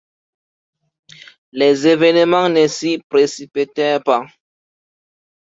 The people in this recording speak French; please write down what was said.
Les événements ne s'y précipitèrent pas.